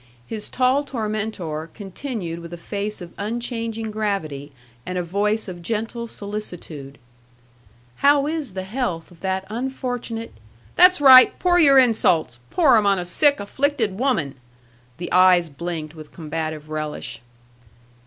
His tall tormentor continued with a face of unchanging gravity, and a voice of gentle solicitude: "How is the health of that unfortunate " "That's right! Pour your insults! Pour 'em on a sick, afflicted woman!" The eyes blinked with combative relish.